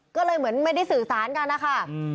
ก็เลยเหมือนไม่ได้สื่อสารกันนะคะ